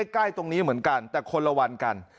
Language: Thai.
ใกล้ตรงนี้เหมือนกันแต่คนละวันกัน